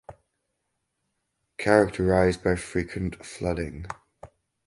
Characterized by frequent flooding.